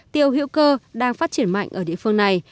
tiêu hữu cơ đang phát triển mạnh ở địa phương này